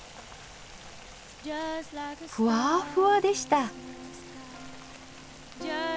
ふわふわでした。